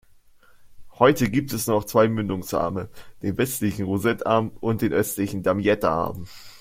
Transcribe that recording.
Heute gibt es nur noch zwei Mündungsarme: den westlichen Rosette-Arm und den östlichen Damietta-Arm.